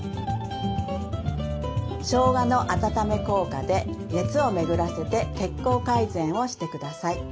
しょうがの温め効果で熱を巡らせて血行改善をしてください。